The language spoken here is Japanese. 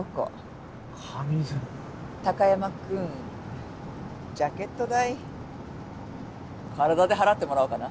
貴山君ジャケット代体で払ってもらおうかな。